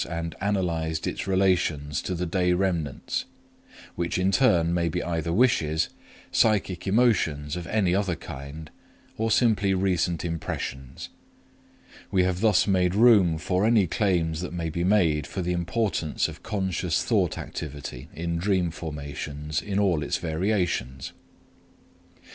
and analyzed its relations to the day remnants, which in turn may be either wishes, psychic emotions of any other kind, or simply recent impressions. We have thus made room for any claims that may be made for the importance of conscious thought activity in dream formations in all its variations.